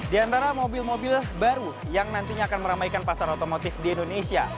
di antara mobil mobil baru yang nantinya akan meramaikan pasar otomotif di indonesia